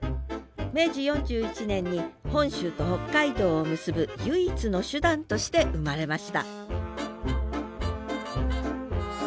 明治４１年に本州と北海道を結ぶ唯一の手段として生まれました